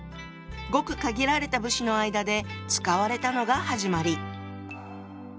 ごく限られた武士の間で使われたのが始まり。